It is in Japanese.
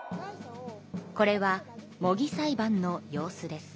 これは模擬裁判の様子です。